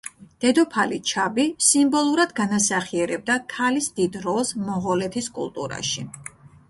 დედოფალი ჩაბი სიმბოლურად განასახიერებდა ქალის დიდ როლს მონღოლეთის კულტურაში.